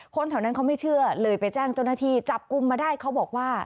คนแถวนั้นเขาไม่เชื่อเลยไปแจ้งเจ้าหน้าที่จับกลุ่มมาได้เขาบอกว่า